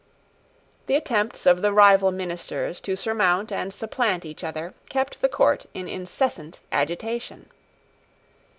The attempts of the rival ministers to surmount and supplant each other kept the court in incessant agitation.